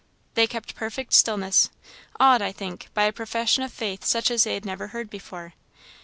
They kept perfect stillness; awed, I think, by a profession of faith such as they had never heard before.